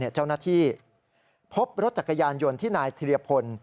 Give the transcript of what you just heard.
เจ้าหน้าที่พบรถจักรยานยนต์ที่นายธิรพล